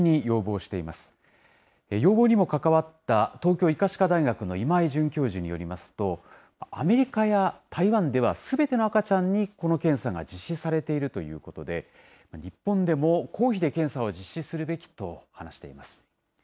要望にも関わった東京医科歯科大学の今井准教授によりますと、アメリカや台湾では、すべての赤ちゃんにこの検査が実施されているということで、日本でも公費で検査を実施するべきと話しています。